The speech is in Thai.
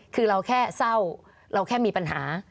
คือเราแค่เศร้าเราแค่มีปัญหา